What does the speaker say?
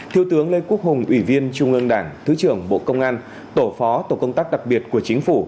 thiếu tướng lê quốc hùng ủy viên trung ương đảng thứ trưởng bộ công an tổ phó tổ công tác đặc biệt của chính phủ